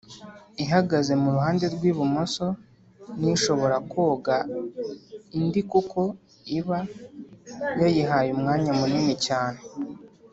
ihagaze mu ruhande rw ibumoso nishobora kugonga indi kuko iba yayihaye umwanya munini cyane